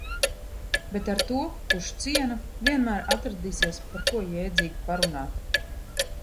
Bet ar to, kurš ciena, vienmēr atradīsies par ko jēdzīgi parunāt.